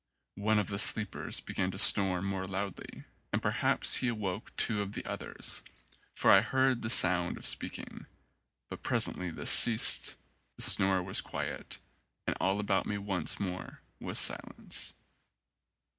One of the sleepers began to snore more loudly, and perhaps he awoke two of the others, for I heard the sound of speak ing; but presently this ceased, the snorer was quiet, and all about me once more was silence.